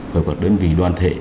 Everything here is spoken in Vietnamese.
phù hợp đơn vị đoàn thể